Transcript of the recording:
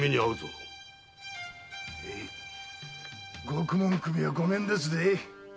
獄門首はごめんですぜ。